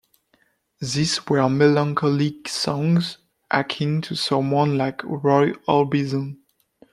These were melancholic songs akin to someone like Roy Orbison.